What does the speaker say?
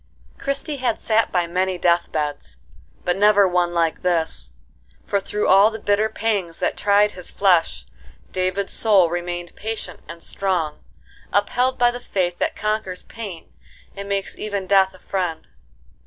Christie had sat by many death beds, but never one like this; for, through all the bitter pangs that tried his flesh, David's soul remained patient and strong, upheld by the faith that conquers pain and makes even Death a friend.